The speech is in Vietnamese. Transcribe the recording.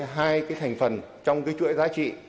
hai thành phần trong chuỗi giá trị